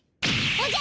おじゃ！